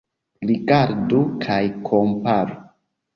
Rigardu kaj komparu.